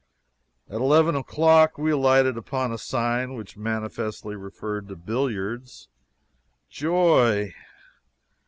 At eleven o'clock we alighted upon a sign which manifestly referred to billiards. Joy!